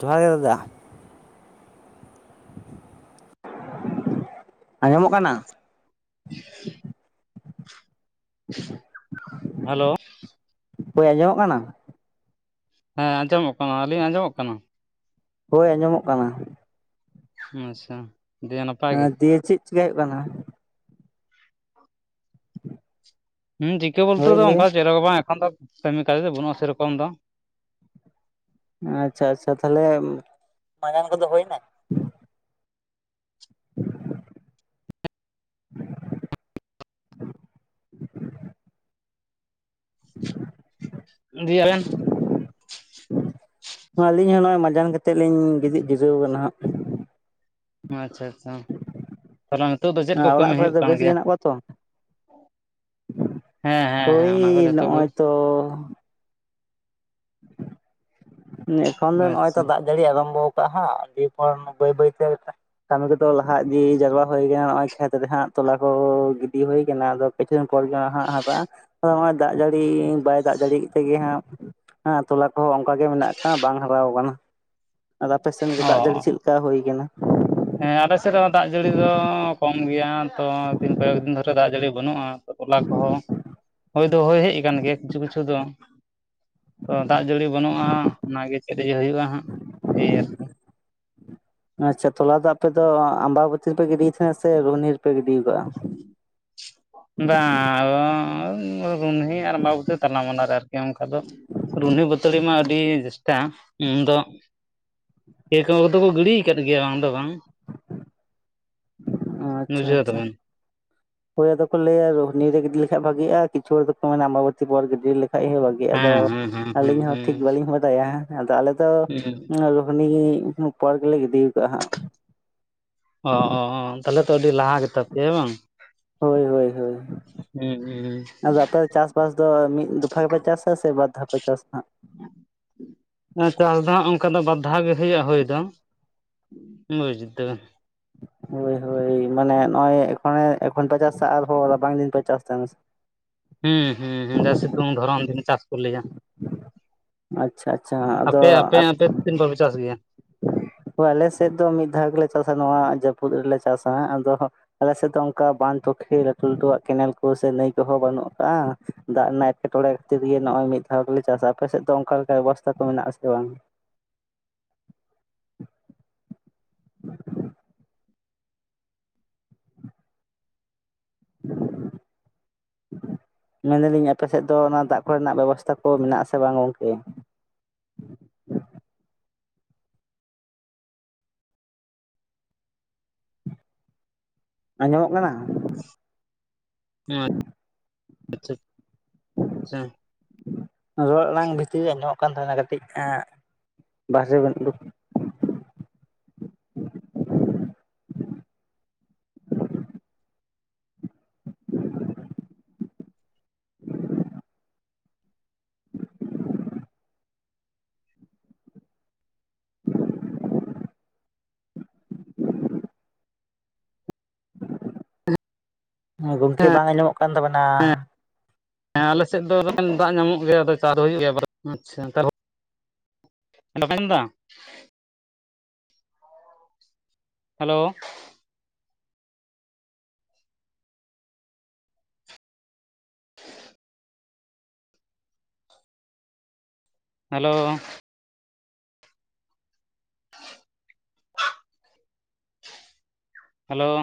ᱡᱚᱦᱟᱨ ᱜᱮ ᱫᱟᱫᱟ ᱟᱸᱡᱚᱢᱚᱜ ᱠᱟᱱᱟ? [unintelligible] ᱦᱮᱞᱳ ᱦᱚᱭ ᱟᱸᱡᱚᱢᱚᱜ ᱠᱟᱱᱟ? ᱦᱮᱸ ᱟᱸᱡᱚᱢᱚᱜ ᱠᱟᱱᱟ ᱟᱹᱞᱤᱧ ᱟᱸᱡᱚᱢᱚᱜ ᱠᱟᱱᱟ? ᱦᱳᱭ ᱟᱸᱡᱚᱢᱚᱜ ᱠᱟᱱᱟ᱾ ᱟᱪᱪᱷᱟ ᱫᱤᱭᱮ ᱱᱟᱯᱟᱭ ᱮᱸ ᱜᱮ ᱫᱤᱭᱮ ᱪᱮᱫ ᱪᱤᱠᱟᱹᱭ ᱦᱩᱭᱩᱜ ᱠᱟᱱᱟ? ᱦᱩᱸ ᱪᱤᱠᱟᱹ ᱵᱚᱞᱛᱮ ᱦᱳᱭ ᱫᱚ ᱞᱟᱹᱭ ᱚᱱᱠᱟ ᱪᱮᱫ ᱦᱚ ᱵᱟᱝ ᱮᱠᱷᱚᱱ ᱫᱚ ᱠᱟᱹᱢᱤ ᱠᱟᱹᱡᱽ ᱫᱚ ᱵᱟᱹᱱᱩᱜᱼᱟ ᱥᱮᱨᱚᱠᱚᱢ ᱫᱚ᱾ ᱟᱪᱪᱷᱟ ᱟᱪᱪᱷᱟ ᱛᱟᱞᱦᱮ ᱢᱟᱸᱡᱟᱱ ᱠᱚᱫᱚ ᱦᱩᱭᱱᱟ? [unintelligible] ᱟᱹᱞᱤᱧ ᱦᱚᱸ ᱱᱚᱜᱼᱚᱭ ᱢᱟᱡᱟᱱ ᱠᱟᱛᱮᱜ ᱞᱤᱧ ᱜᱤᱛᱤᱡ ᱡᱤᱨᱟᱹᱣ ᱠᱟᱱᱟ ᱦᱟᱸᱜ᱾ ᱟᱪᱪᱷᱟ ᱟᱪᱪᱷᱟ, ᱛᱟᱞᱦᱮ ᱱᱤᱛᱳᱜ ᱫᱚ ᱪᱮᱫ ᱠᱚ ᱦᱟᱸᱜ ᱚᱲᱟᱜ ᱠᱟᱹᱢᱤ ᱠᱚᱨᱮ ᱦᱩᱭᱩᱜ ᱫᱚ ᱠᱟᱱ ᱵᱮᱥ ᱜᱮ ᱜᱮᱭᱟ? ᱦᱮᱱᱟᱜ ᱠᱚᱣᱟ ᱛᱚ ᱦᱮᱸ ᱦᱮᱸ ᱦᱮᱸ ᱚᱱᱟ ᱠᱚ ᱦᱳᱭ ᱡᱚᱛᱚ ᱱᱚᱜᱼᱚᱭ ᱛᱚ [unintelligible] ᱮᱠᱷᱚᱱ ᱫᱚ ᱱᱚᱜᱼᱚᱭ ᱟᱪᱪᱷᱟ ᱛᱚ ᱫᱟᱜ ᱡᱟᱹᱲᱤ ᱟᱸᱨᱟᱢᱵᱚᱣ ᱠᱟᱜ ᱦᱟᱸᱜ ᱟᱹᱰᱤ ᱦᱚᱲ ᱵᱟᱹᱭ ᱵᱟᱹᱭᱛᱮᱼᱼ ᱠᱟᱹᱢᱤ ᱠᱚᱫᱚ ᱞᱟᱦᱟ ᱤᱫᱤ ᱡᱟᱣᱨᱟ ᱦᱩᱭ ᱠᱟᱱᱟ ᱱᱚᱜᱚᱭ ᱠᱷᱮᱛ ᱨᱮ ᱦᱟᱸᱜ ᱛᱚᱞᱟ ᱠᱚ ᱜᱤᱰᱤ ᱦᱩᱭ ᱠᱟᱱᱟ ᱟᱫᱚᱼᱼ ᱯᱤᱪᱷᱩ ᱫᱤᱱ ᱯᱚᱨ ᱜᱮ ᱦᱟᱸᱜ ᱦᱟᱜᱟᱜᱼᱟ ᱟᱫᱚ ᱱᱚᱜᱼᱚᱭ ᱫᱟᱜ ᱡᱟᱹᱲᱤ ᱵᱟᱭ ᱫᱟᱜ ᱡᱟᱹᱲᱤᱭᱮᱫ ᱛᱮᱜᱮ ᱦᱟᱸᱜᱼᱼ ᱦᱟᱸᱜ ᱛᱚᱞᱟ ᱠᱚᱦᱚᱸ ᱚᱝᱠᱟ ᱜᱮ ᱢᱮᱱᱟᱜ ᱠᱟᱜᱼᱟ ᱵᱟᱝ ᱦᱟᱨᱟᱣ ᱠᱟᱱᱟ᱾ ᱟᱫᱚ ᱟᱯᱮᱥᱮᱱ ᱜᱮ ᱚ ᱫᱟᱜ ᱡᱟᱹᱲᱤ ᱪᱮᱫ ᱠᱟ ᱦᱩᱭ ᱠᱟᱱᱟ? ᱦᱮᱸ ᱟᱞᱮ ᱥᱮᱫ ᱦᱚᱸ ᱫᱟᱜ ᱡᱟᱹᱲᱤ ᱫᱚ ᱠᱚᱢ ᱜᱮᱭᱟ ᱛᱚ ᱛᱤᱱ ᱠᱚᱭᱮᱠ ᱫᱤᱱ ᱫᱷᱚᱨᱮ ᱫᱟᱜ ᱡᱟᱹᱲᱤ ᱵᱟᱹᱱᱩᱜᱼᱟ᱾ ᱛᱚᱞᱟ ᱠᱚᱦᱚᱸ ᱦᱳᱭ ᱫᱚ ᱦᱳᱭ ᱦᱮᱡ ᱠᱟᱱ ᱜᱮᱭᱟ ᱠᱤᱪᱷᱩ ᱠᱤᱪᱷᱩ ᱫᱚ᱾ ᱛᱚ ᱫᱟᱜ ᱡᱟᱹᱲᱤ ᱵᱟᱹᱱᱩᱜᱼᱟ ᱚᱱᱟᱜᱮ ᱪᱮᱫ ᱤᱭᱟᱹ ᱦᱩᱭᱩᱜᱼᱟ ᱦᱟᱸᱜ ᱮᱭ ᱟᱨᱠᱤ, ᱟᱪᱪᱷᱟ ᱛᱚᱞᱟ ᱫᱚ ᱟᱯᱮ ᱫᱚ ᱟᱸᱢᱵᱟᱸ ᱵᱟᱹᱛᱤ ᱨᱮᱯᱮ ᱜᱤᱰᱤᱭ ᱛᱟᱦᱮᱸᱫ ᱥᱮ ᱨᱩᱦᱱᱤ ᱨᱮᱯᱮ ᱜᱤᱰᱤᱣ ᱠᱟᱜᱼᱟᱼᱼ [inaudible] ᱵᱟᱝᱻ ᱟᱫᱚᱻ ᱨᱩᱱᱦᱤ ᱟᱨ ᱟᱸᱢᱵᱟᱵᱚᱛᱤ ᱛᱟᱞᱟ ᱢᱟᱞᱟᱨᱮ ᱟᱨᱠᱤ ᱚᱱᱠᱟ ᱫᱚᱼᱼ ᱨᱩᱦᱱᱤ ᱵᱟᱹᱛᱟᱹᱲᱤ ᱢᱟ ᱟᱹᱰᱤ ᱡᱮᱥᱴᱟ ᱩᱱᱫᱚᱼᱼ ᱠᱮ [unintelligible] ᱠᱚᱫᱚ ᱠᱚ ᱜᱤᱲᱤᱣ ᱠᱟᱫ ᱜᱮᱭᱟ ᱵᱟᱝ ᱫᱚ ᱵᱟᱝ, ᱟᱸ ᱟᱪᱪᱷᱟ ᱵᱩᱡᱷᱟᱹᱣ ᱟᱪᱪᱷᱟ᱾ ᱫᱟᱵᱮᱱ ᱦᱳᱭ ᱟᱫᱚ ᱠᱚ ᱞᱟᱹᱭᱟ ᱨᱩᱦᱱᱤ ᱨᱮ ᱜᱤᱰᱤ ᱞᱮᱠᱷᱟᱡ ᱵᱷᱟᱜᱤᱜᱼᱟ ᱠᱤᱪᱷᱩ ᱦᱚᱲ ᱫᱚᱠᱚ ᱢᱮᱱᱟ ᱟᱸᱢᱵᱟᱵᱩᱛᱤ ᱯᱚᱨ ᱜᱤᱰᱤ ᱞᱮᱠᱷᱟᱡ ᱦᱚᱸ ᱵᱷᱟ ᱜᱤᱜ, ᱟᱫᱚ ᱦᱮᱸ ᱦᱮᱸ ᱦᱮᱸ ᱟᱹᱞᱤᱧ ᱦᱮᱸ ᱦᱚᱸ ᱴᱷᱤᱠ ᱵᱟᱹᱞᱤᱧ ᱵᱟᱼᱼ ᱲᱟᱭᱟ, ᱟᱫᱚ ᱟᱞᱮ ᱫᱚ ᱦᱮᱸ ᱨᱩᱦᱤᱱᱤ ᱯᱚᱨ ᱜᱮᱞᱮ ᱜᱤᱰᱤ ᱠᱟᱜᱼᱟ ᱦᱟᱸᱜ᱾ ᱚᱻ ᱚ ᱚ, ᱛᱟᱦᱚᱞᱮ ᱛᱚ ᱟᱹᱰᱤ ᱞᱟᱦᱟ ᱜᱮ ᱛᱟᱯᱮᱭᱟ ᱵᱟᱝ? ᱦᱳᱭ ᱦᱳᱭ ᱦᱳᱭ᱾ ᱦᱩᱸ ᱩᱸᱻ᱾ ᱪᱟᱥ ᱵᱟᱥ ᱫᱚ ᱢᱤᱫ ᱫᱚᱯᱷᱟ ᱜᱮᱯᱮ ᱪᱟᱥᱟ ᱥᱮ ᱵᱟᱨ ᱫᱷᱟᱣ ᱯᱮ ᱪᱟᱥ ᱦᱟᱸᱜ? ᱟᱱᱟ ᱪᱟᱥ ᱫᱚ ᱦᱟᱹᱜ ᱚᱱᱠᱟ ᱫᱚ ᱵᱟᱨ ᱫᱷᱟᱣ ᱜᱮ ᱦᱩᱭᱩᱜᱼᱟ ᱦᱩᱭ ᱫᱚ, [unintelligible] ᱦᱳᱭ ᱦᱳᱭ, ᱢᱟᱱᱮ ᱱᱚᱜᱚᱭ ᱮᱠᱷᱚᱱᱮ ᱮᱠᱷᱚᱱ ᱯᱮ ᱪᱟᱥᱟ ᱟᱨᱦᱚᱸ ᱨᱟᱵᱟᱝ ᱫᱤᱱ ᱯᱮ ᱪᱟᱥ ᱛᱟᱦᱮᱸᱱᱟ ᱥᱮ? ᱦᱩᱸ ᱦᱩᱸ ᱦᱩᱸ, ᱡᱟ ᱥᱤᱛᱩᱝ ᱫᱷᱚᱨᱚᱢ ᱫᱤᱱ ᱪᱟᱥ ᱠᱚ ᱞᱟᱹᱭᱟ᱾ ᱟᱪᱪᱷᱟ ᱟᱪᱪᱷᱟ ᱟᱫᱚ ᱟᱯᱮ ᱟᱯᱮ ᱟᱯᱮ ᱛᱤᱱ ᱵᱟᱨ ᱯᱮ ᱪᱟᱥ ᱜᱮᱭᱟ? ᱦᱳᱭ ᱟᱞᱮ ᱥᱮᱫ ᱫᱚ ᱢᱤᱫ ᱫᱷᱟᱣ ᱜᱮᱞᱮ ᱪᱟᱥᱟ ᱱᱚᱣᱟ ᱡᱟᱹᱯᱩᱫ ᱨᱮᱞᱮ ᱪᱟᱥᱟ, ᱟᱫᱚ ᱟᱞᱮ ᱥᱮᱫ ᱫᱚ ᱚᱝᱠᱟ ᱵᱟᱸᱫ, ᱯᱩᱠᱷᱤᱨᱤ, ᱞᱟ. ᱴᱩ ᱞᱟᱹᱴᱩᱣᱟᱜ ᱠᱮᱱᱮᱞ ᱠᱚ ᱥᱮ ᱱᱟᱹᱭ ᱠᱚᱦᱚᱸ ᱵᱟᱹᱱᱩᱜ ᱠᱟᱜᱼᱟ, ᱫᱟᱜ ᱨᱮᱱᱟᱜ ᱮᱴᱠᱮᱴᱚᱬᱮ ᱠᱷᱟᱹᱛᱤᱨ ᱜᱮ ᱱᱚᱜᱼᱚᱭ ᱢᱤᱫ ᱫᱷᱟᱣ ᱫᱚᱞᱮ ᱪᱟᱥᱟ᱾ ᱟᱯᱮ ᱥᱮᱫ ᱫᱚ ᱚᱝᱠᱟ ᱞᱮᱠᱟ ᱵᱮᱵᱚᱥᱛᱷᱟ ᱠᱚ ᱢᱮᱱᱟᱜᱼᱟ ᱥᱮ ᱵᱟᱝ? [inaudible] ᱢᱮᱱ ᱫᱟ. ᱞᱤᱧ ᱟᱯᱮ ᱥᱮᱫ ᱫᱚ ᱚᱱᱟ ᱫᱟᱜ ᱠᱚᱨᱮᱱᱟᱜ ᱵᱮᱵᱚᱥᱛᱷᱟ ᱠᱚ ᱢᱮᱱᱟᱜ-ᱟ ᱥᱮ ᱵᱟᱝ ᱜᱚᱝᱠᱮ? ᱟᱸᱡᱚᱢᱚᱜ ᱠᱟᱱᱟ? [unintelligible] ᱨᱚᱲ ᱟᱲᱟᱝ ᱵᱷᱤᱛᱤᱨ ᱨᱮ ᱟᱸᱡᱚᱢᱚᱜ ᱠᱟᱱ ᱛᱟᱵᱤᱱᱟ ᱠᱟᱹᱴᱤᱡ ᱮᱸ ᱵᱟᱦᱨᱮ ᱵᱤᱱ ᱩᱰᱩᱠ ᱜᱚᱝᱠᱮ ᱵᱟᱝ ᱟᱸᱡᱚᱢᱚᱜ ᱠᱟᱱ ᱛᱟᱵᱤᱱᱟ᱾ ᱦᱮᱸ ᱟᱞᱮ ᱥᱮᱫ ᱫᱚ ᱮᱸᱰᱮ ᱠᱷᱟᱱ ᱫᱟᱜ ᱧᱟᱢᱚᱜ ᱜᱮᱭᱟ ᱟᱫᱚ ᱪᱟᱥ ᱦᱩᱭᱩᱜ ᱜᱮᱭᱟ, ᱟᱪᱪᱷᱟ [unintelligible] ᱵᱟᱵᱮᱱ ᱟᱸᱡᱚᱢ ᱫᱟ? ᱦᱮᱞᱳᱣ ᱾ ᱦᱮᱞᱳᱣ ᱾ ᱦᱮᱞᱳᱣ ᱾